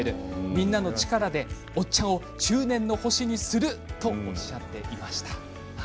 みんなの力をおっちゃんを中年の星にするとおっしゃっていました。